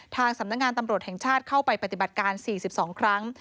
ทางสำนักงานตำรวจแห่งชาติเข้าไปปฏิบัติการ๔๒ครั้ง